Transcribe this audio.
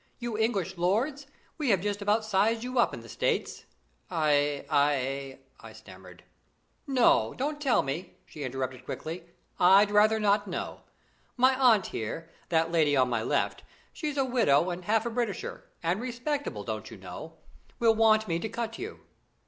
"You English lords, we have just about sized you up in the States." "I I " I stammered. "No! don't tell me," she interrupted quickly; "I'd rather not know. My aunt here, that lady on my left, she's a widow and half a Britisher, and respectable, don't you know, will want me to cut you."